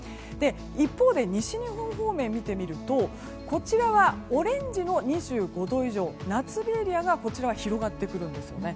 一方で西日本方面を見てみるとこちらはオレンジの２５度以上夏日エリアが広がってくるんですよね。